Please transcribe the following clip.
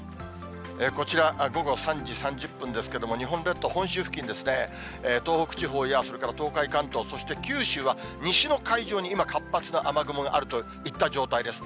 こちら、午後３時３０分ですけども、日本列島、本州付近ですね、東北地方や、それから東海、関東、そして九州は西の海上に今、活発な雨雲があるといった状態です。